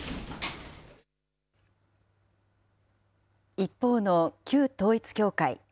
一方の旧統一教会。